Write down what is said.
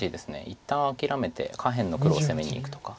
一旦諦めて下辺の黒を攻めにいくとか。